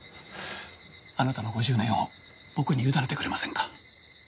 あなたの５０年を僕に委ねてくれませんか？